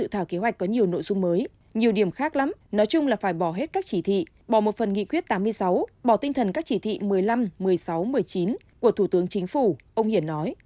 thành ủy tổ chức thảo kế hoạch có nhiều nội dung mới nhiều điểm khác lắm nói chung là phải bỏ hết các chỉ thị bỏ một phần nghị quyết tám mươi sáu bỏ tinh thần các chỉ thị một mươi năm một mươi sáu một mươi chín của thủ tướng chính phủ ông hiển nói